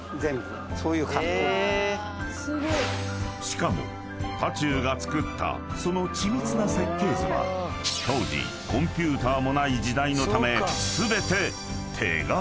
［しかも多仲が作ったその緻密な設計図は当時コンピューターもない時代のため］